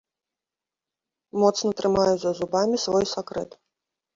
Моцна трымаю за зубамі свой сакрэт.